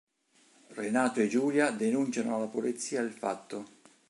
Renato e Giulia denunciano alla polizia il fatto.